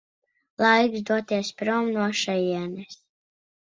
Laiks doties prom no šejienes.